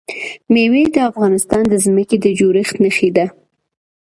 مېوې د افغانستان د ځمکې د جوړښت نښه ده.